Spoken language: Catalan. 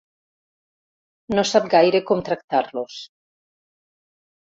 No sap gaire com tractar-los.